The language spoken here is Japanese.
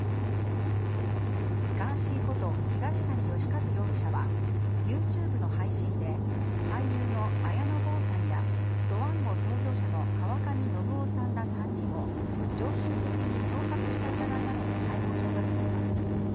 ガーシーこと東谷義和容疑者はＹｏｕＴｕｂｅの配信で俳優の綾野剛さんやドワンゴ創業者の川上量生さんら３人を常習的に脅迫した疑いなどで逮捕状が出ています。